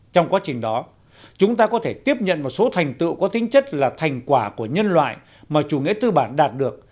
trong quá trình đó chúng ta có thể tiếp nhận một số thành tựu có tính chất là thành quả của nhân loại mà chủ nghĩa tư bản đạt được